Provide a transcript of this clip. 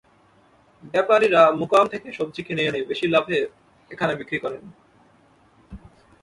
ব্যাপারিরা মোকাম থেকে সবজি কিনে এনে বেশি লাভে এখানে বিক্রি করেন।